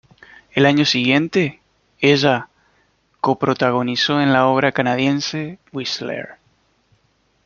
El año siguiente, ella co-protagonizó en la obra canadiense, "Whistler.